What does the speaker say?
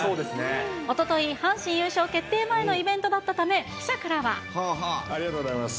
おととい、阪神優勝決定前のイベありがとうございます。